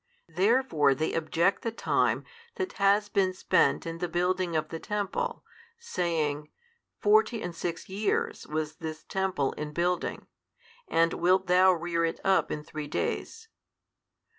Therefore they object the time that has been spent in the building of the Temple, saying, Forty and six years was this Temple in building, and wilt Thou rear it up in three days?